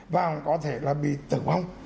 và có thể là bị tử vong